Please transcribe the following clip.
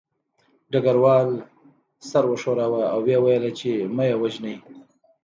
ډګروال سر وښوراوه او ویې ویل چې مه یې وژنئ